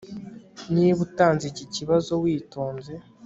Niba utanze iki kibazo witonze